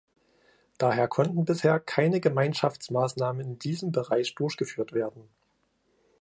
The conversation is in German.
Daher konnten bisher keine Gemeinschaftsmaßnahmen in diesem Bereich durchgeführt werden.